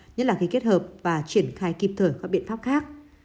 nhất là khi kết hợp và triển khai kịp thời các biện pháp khác